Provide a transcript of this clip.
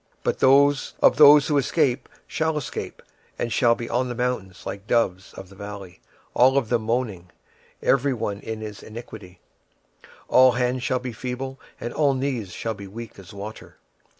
26:007:016 But they that escape of them shall escape, and shall be on the mountains like doves of the valleys, all of them mourning, every one for his iniquity. 26:007:017 All hands shall be feeble, and all knees shall be weak as water.